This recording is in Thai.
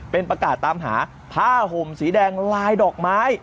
เป็นประกาศตามหาผ้าห่มสีแดงลายดอกไม้